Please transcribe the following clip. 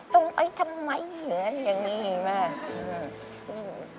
ต้องไปทำไมอย่างนี้มา